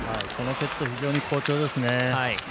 このセット非常に好調ですね。